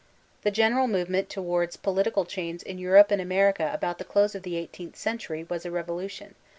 The general move ment towards political change in Europe and America about, the close of the eighteenth century, was a revohi tion.